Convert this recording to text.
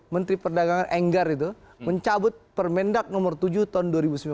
menteri perdagangan enggar itu mencabut permendak nomor tujuh tahun dua ribu sembilan belas